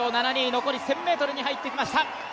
残り１０００ｍに入ってきました。